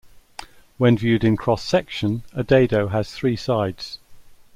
When viewed in cross-section, a dado has three sides.